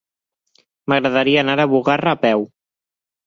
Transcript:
M'agradaria anar a Bugarra a peu.